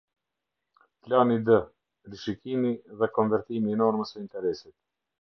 Plani D Rishikimi dhe konvertimi i normës së interesit.